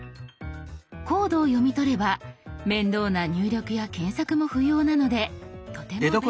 コードを読み取れば面倒な入力や検索も不要なのでとても便利ですよ。